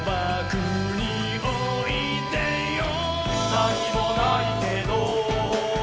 「なにもないけど」